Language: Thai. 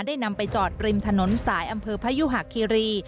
นำไปจอดริมถนนสายอำเภอพยุหะคีรี